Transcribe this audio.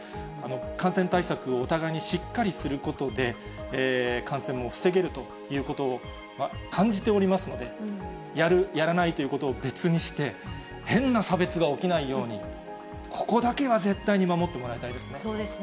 感染対策をお互いにしっかりすることで、感染も防げるということを感じておりますので、やる、やらないということを別にして、変な差別が起きないように、ここだけは絶対に守ってもらいたいですね。